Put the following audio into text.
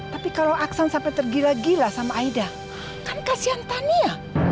tapi kalau aksan sampai tergila gila sama aida kan kasihan tania